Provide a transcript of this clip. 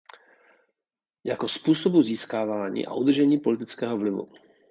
Jako způsobu získávání a udržení politického vlivu.